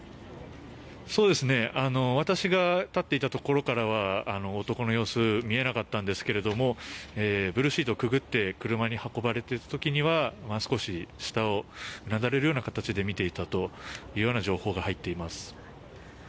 私が立っていたところからは男の様子は見えなかったんですがブルーシートをくぐって車に運ばれていく時には少し下をうなだれるような形で見ていたという情報が入っています。